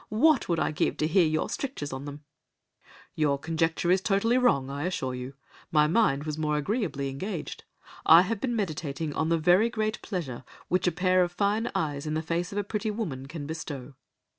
What would I give to hear your strictures on them!' "'Your conjecture is totally wrong, I assure you. My mind was more agreeably engaged. I have been meditating on the very great pleasure which a pair of fine eyes in the face of a pretty woman can bestow!